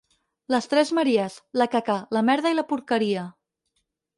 Les tres maries: la caca, la merda i la porqueria.